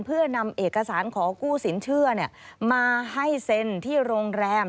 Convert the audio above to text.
เพื่อนำเอกสารขอกู้สินเชื่อมาให้เซ็นที่โรงแรม